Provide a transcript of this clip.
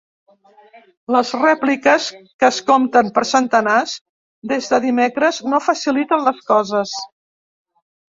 Les rèpliques, que es compten per centenars des de dimecres, no faciliten les coses.